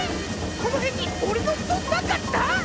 このへんにおれのふとんなかった？